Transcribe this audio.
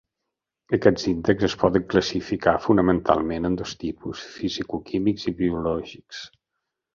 Aquests índexs es poden classificar fonamentalment en dos tipus: fisicoquímics i biològics.